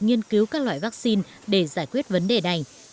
nghiên cứu các loại vaccine để giải quyết vấn đề này